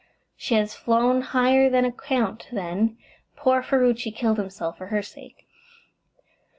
"She has flown higher than a count, then. Poor Ferruci killed himself for her sake."